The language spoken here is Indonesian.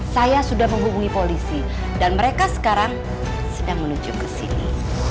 saya sudah menghubungi polisi dan mereka sekarang sedang menuju ke sini